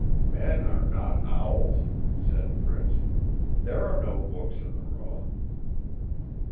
"Men are not owls," said Fritz. "There are no books in the room."